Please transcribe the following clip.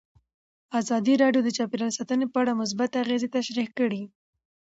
ازادي راډیو د چاپیریال ساتنه په اړه مثبت اغېزې تشریح کړي.